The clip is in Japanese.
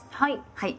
はい。